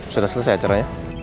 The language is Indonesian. sudah selesai acaranya